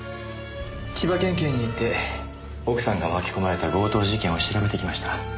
千葉県警に行って奥さんが巻き込まれた強盗事件を調べてきました。